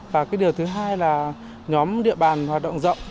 và cái điều thứ hai là nhóm địa bàn hoạt động rộng